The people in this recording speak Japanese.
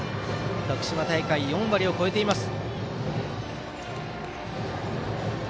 徳島大会では打率が４割を超えています。